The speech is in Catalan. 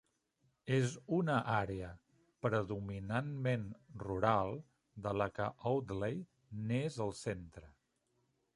És una àrea predominantment rural de la que Audley n'és el centre